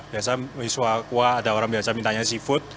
biasanya miso kuah ada orang biasa mintanya seafood